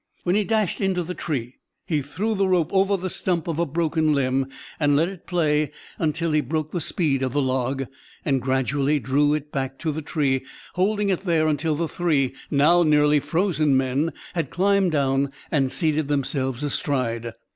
When he dashed into the tree he threw the rope over the stump of a broken limb, and let it play until he broke the speed of the log, and gradually drew it back to the tree, holding it there until the three now nearly frozen men had climbed down and seated themselves astride.